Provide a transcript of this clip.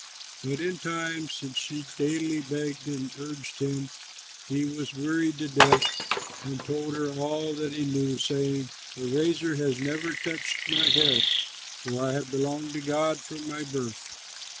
But in time, since she daily begged and urged him, he was wearied to death, and told her all that he knew, saying, "A razor has never touched my head; for I have belonged to God from my birth.